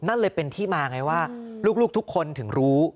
นั่นเลยเป็นที่มาไงว่าลูกทุกคนถึงรู้